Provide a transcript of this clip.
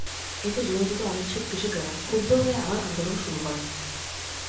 এতে জমি দিতে অনিচ্ছুক কৃষকেরা ক্ষুব্ধ হয়ে আবার আন্দোলন শুরু করেন।